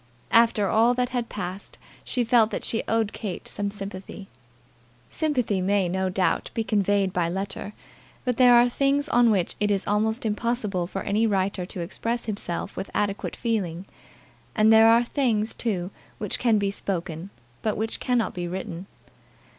After all that had passed she felt that she owed Kate some sympathy. Sympathy may, no doubt, be conveyed by letter; but there are things on which it is almost impossible for any writer to express himself with adequate feeling; and there are things, too, which can be spoken, but which cannot be written.